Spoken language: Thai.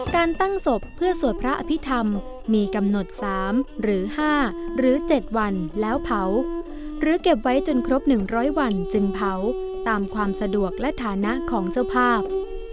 การตั้งศพเพื่อสวดพระอภิษฐรรมมีกำหนด๓หรือ๕หรือ๗วันแล้วเผาหรือเก็บไว้จนครบ๑๐๐วันจึงเผาตามความสะดวกและฐานะของเจ้าภาพ